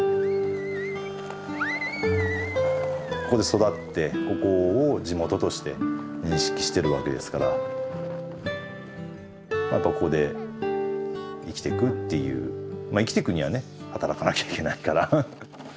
ここで育ってここを地元として認識してるわけですからやっぱここで生きていくっていうまあ生きていくにはね働かなきゃいけないから。